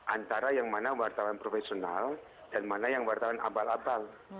antara yang mana wartawan profesional dan mana yang wartawan abal abal